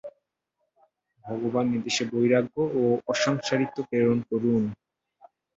ভগবান এদেশে বৈরাগ্য ও অসংসারিত্ব প্রেরণ করুন।